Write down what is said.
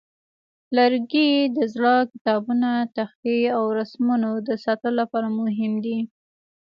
لرګي د زاړه کتابتونه، تختې، او رسمونو د ساتلو لپاره مهم دي.